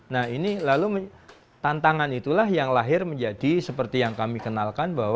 nah ini lalu tantangan itulah yang lahir menjadi seperti yang kami kenalkan bahwa